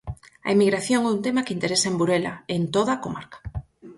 A emigración é un tema que interesa en Burela e en toda a comarca.